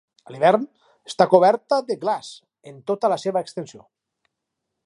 A l'hivern, està coberta de glaç en tota la seva extensió.